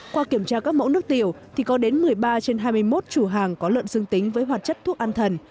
qua kiểm tra các mẫu nước tiểu thì có đến một mươi ba trên hai mươi một chủ hàng có lợn dương tính với hoạt chất thuốc an thần